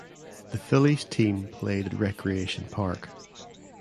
The Phillies team played at Recreation Park.